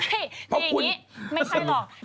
ไม่แต่อย่างนี้ไม่ใช่หรอก